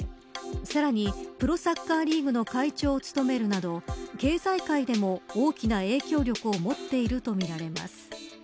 さらにプロサッカーリーグの会長を務めるなど経済界でも大きな影響力を持っているとみられます。